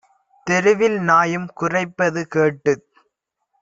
தெருவில் நாயும் குரைப்பது கேட்டுத்